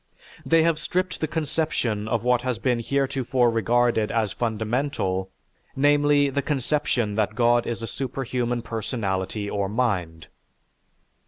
They have stripped the conception of what has been heretofore regarded as fundamental, namely, the conception that God is a superhuman personality or mind.